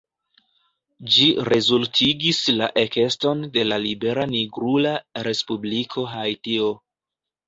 Ĝi rezultigis la ekeston de la libera nigrula respubliko Haitio.